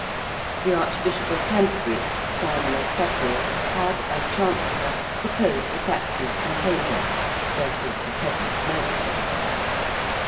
~The Archbishop of Canterbury~, Simon of Sudbury, had as chancellor proposed the taxes complained of; therefore the peasants murdered him.